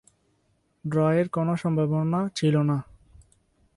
ড্রয়ের কোন সম্ভাবনা ছিল না।